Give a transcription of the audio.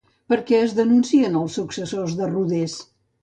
Per què es denuncien els successors de Rodés?